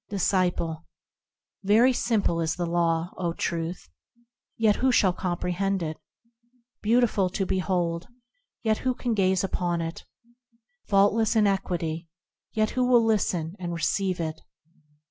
Disciple. Very simple is the Law, O Truth ! yet who shall comprehend it ? Beautiful to behold, yet who can gaze upon it ? Faultless in equity, yet who will listen, and receive it